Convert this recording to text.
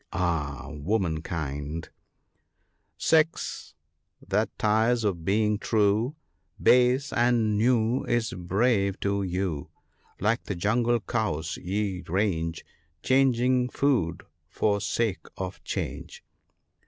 Ah ! woman kind !— PEACE. 119 " Sex, that tires of being true, Base and new is brave to you Like the jungle cows ye range, Changing food for sake of change.